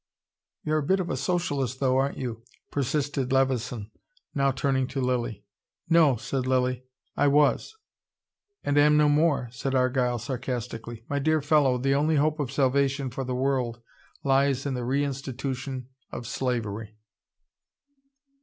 "You're a bit of a SOCIALIST though, aren't you?" persisted Levison, now turning to Lilly. "No," said Lilly. "I was." "And am no more," said Argyle sarcastically. "My dear fellow, the only hope of salvation for the world lies in the re institution of slavery."